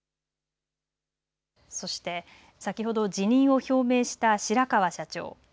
そして先ほど辞任を表明した白川社長。